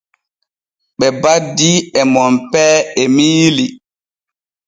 Ɓe baddii e Monpee Emiili.